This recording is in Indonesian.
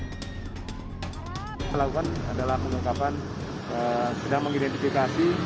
yang dilakukan adalah mengungkapkan sedang mengidentifikasi